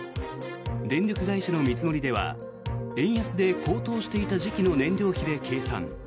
電力会社の見積もりでは円安で高騰していた時期の燃料費で計算。